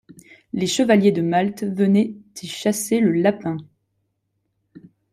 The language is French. Les chevaliers de Malte venaient y chasser le lapin.